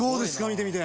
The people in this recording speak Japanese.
見てみて。